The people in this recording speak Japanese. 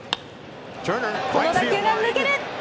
この打球が抜ける！